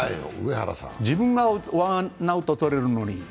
自分がワンアウト取れるのに。